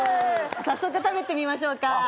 早速食べてみましょうか。